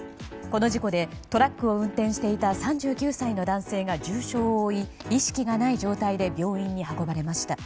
この事故でトラックを運転していた３９歳の男性が重傷を負い、意識がない状態で病院に運ばれました。